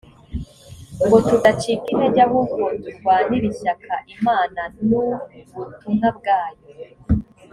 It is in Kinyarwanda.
ngo tudacika intege ahubwo turwanire ishyaka imana n ubutumwa bwayo